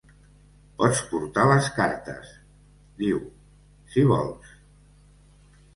"Pots portar les cartes", diu, "si vols".